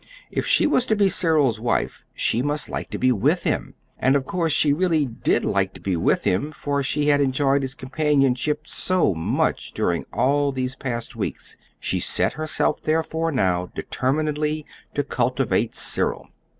If she was to be Cyril's wife, she must like to be with him and of course she really did like to be with him, for she had enjoyed his companionship very much during all these past weeks. She set herself therefore, now, determinedly to cultivating Cyril.